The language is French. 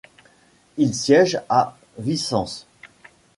Il siège à Vicence.